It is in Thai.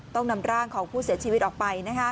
ต้องนำร่างของผู้เสียชีวิตออกไป